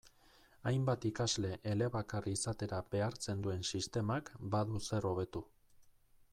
Hainbat ikasle elebakar izatera behartzen duen sistemak badu zer hobetu.